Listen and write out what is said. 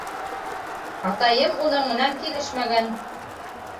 Атайым уның менән килешмәгән.